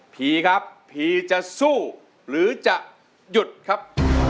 ผีครับผีจะสู้หรือจะหยุดครับ